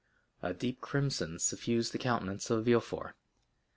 A deep crimson suffused the countenance of Villefort.